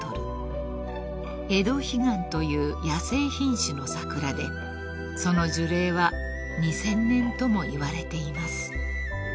［エドヒガンという野生品種の桜でその樹齢は２，０００年ともいわれています］